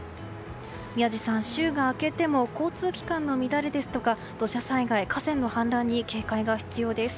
宮司さん、週が明けても交通機関の乱れですとか土砂災害、河川の氾濫に警戒が必要です。